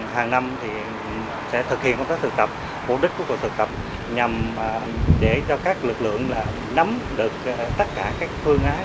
hàng năm sẽ thực hiện công tác thực tập mục đích của cuộc thực tập nhằm để cho các lực lượng nắm được tất cả các phương án